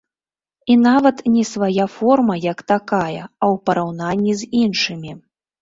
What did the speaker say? І нават не свая форма як такая, а ў параўнанні з іншымі.